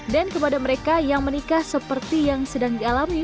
dan kepada mereka yang menikah seperti yang sedang dialami